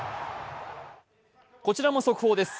こちらも速報です。